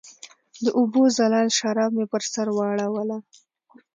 د اوبو زلال شراب مې پر سر واړوله